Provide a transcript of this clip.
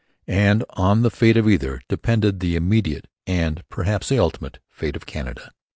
And on the fate of either depended the immediate, and perhaps the ultimate, fate of Canada.